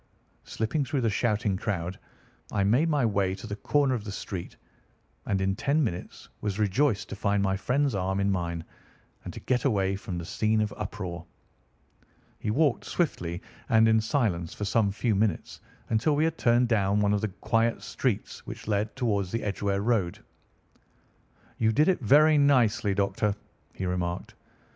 Slipping through the shouting crowd I made my way to the corner of the street, and in ten minutes was rejoiced to find my friend's arm in mine, and to get away from the scene of uproar. He walked swiftly and in silence for some few minutes until we had turned down one of the quiet streets which lead towards the Edgeware Road. "You did it very nicely, Doctor," he remarked.